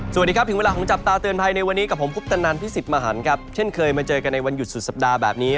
สวัสดีครับถึงเวลาของจับตาเตือนภัยในวันนี้กับผมคุปตนันพิสิทธิ์มหันครับเช่นเคยมาเจอกันในวันหยุดสุดสัปดาห์แบบนี้